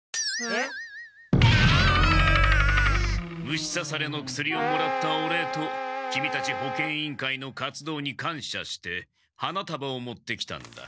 虫さされの薬をもらったお礼とキミたち保健委員会の活動にかんしゃして花たばを持ってきたんだ。